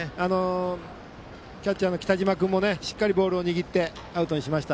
キャッチャーの北島君もしっかりボールを握ってアウトにしました。